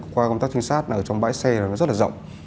qua công tác trinh sát ở trong bãi xe nó rất là rộng